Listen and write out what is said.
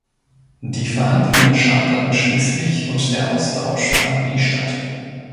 Die Verhandlungen scheiterten schließlich und der Austausch fand nie statt.